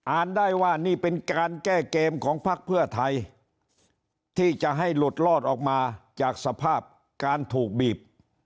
ได้ว่านี่เป็นการแก้เกมของพักเพื่อไทยที่จะให้หลุดรอดออกมาจากสภาพการถูกบีบ